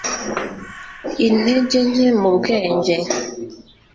intege nke mu bwenge